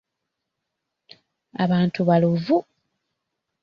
Abantu baluvu.